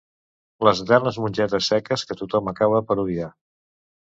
Les eternes mongetes seques que tothom acabà per odiar